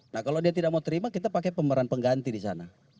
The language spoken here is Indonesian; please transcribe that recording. nah kalau dia tidak mau terima kita pakai pemeran pengganti di sana